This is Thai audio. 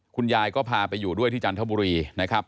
คุณยายก็พาไปอยู่ด้วยที่จันทบุรีนะครับ